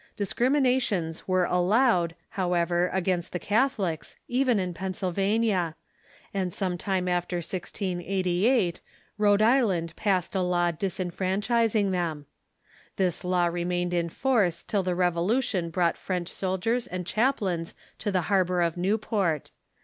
Discriminations were allowed, how ever, against the Catholics even in Pennsylvania, and some time after 1688 Rhode Island passed a law disfranchising them. This law remained in force till the Revolution brought French soldiers and chaplains to the harbor of Newport.